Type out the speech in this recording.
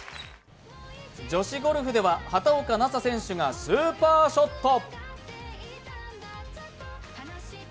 女子ゴルフでは畑岡奈紗選手がスーパーショット。